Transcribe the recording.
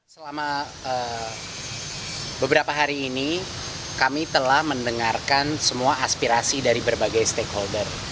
selama beberapa hari ini kami telah mendengarkan semua aspirasi dari berbagai stakeholder